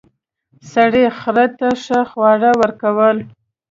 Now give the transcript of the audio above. سړي خر ته ښه خواړه ورکول.